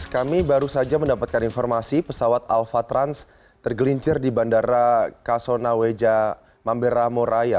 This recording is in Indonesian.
kami baru saja mendapatkan informasi pesawat alfa trans tergelincir di bandara kasona weja mambera moraya